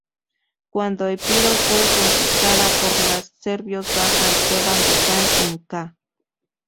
Cuando Epiro fue conquistada por los serbios bajo Esteban Dušan en ca.